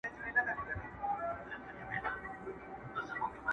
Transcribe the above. عطر دي د ښار پر ونو خپور کړمه٫